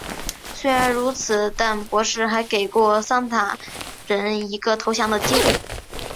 虽然如此但博士还想给桑塔人一个投降的机会。